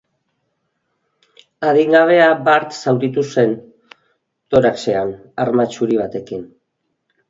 Adingabea bart zauritu zen, toraxean, arma zuri batekin.